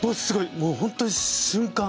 もう本当に瞬間。